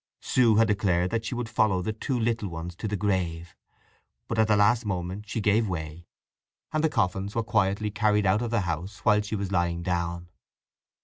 Sue had declared that she would follow the two little ones to the grave, but at the last moment she gave way, and the coffins were quietly carried out of the house while she was lying down.